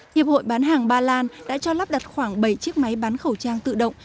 hiệp hội bán hàng ba lan đã cho lắp đặt khoảng bảy chiếc máy bán khẩu trang tự động